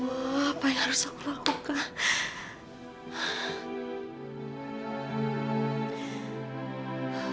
ibu nggak boleh tahu kalau aku hamil